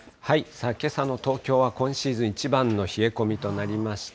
けさの東京は、今シーズン一番の冷え込みとなりました。